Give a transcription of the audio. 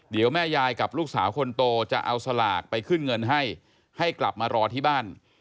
เดี๋ยวแม่ยายกับลูกสาวคนโตจะเอาสลากไปขึ้นเงินให้ให้กลับมารอที่บ้าน